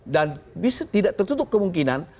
dan bisa tidak tertutup kemungkinan